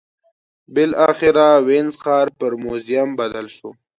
بالاخره وینز ښار پر موزیم بدل شو